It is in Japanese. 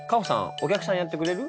お客さんやってくれる？